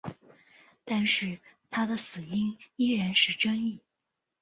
但是他的死因依然是争议。